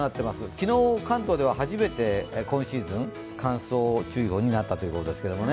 昨日、関東では初めて今シーズン乾燥注意報になったということですが。